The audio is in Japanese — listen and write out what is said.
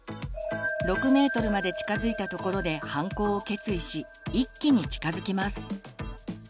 ６ｍまで近づいたところで犯行を決意し一気に近づきます。